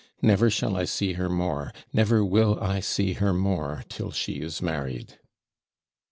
'Never shall I see her more never WILL I see her more, till she is married.'